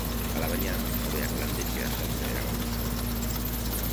Alabaina, jabeak landetxea saltzea erabaki zuen.